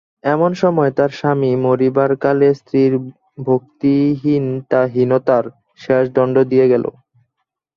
এমন সময় তার স্বামী মরিবার কালে স্ত্রীর ভক্তিহীনতার শেষ দণ্ড দিয়া গেল।